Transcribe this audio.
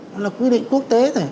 nó là quy định quốc tế thôi